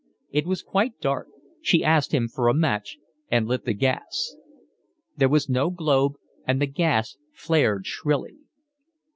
It was quite dark; she asked him for a match, and lit the gas; there was no globe, and the gas flared shrilly.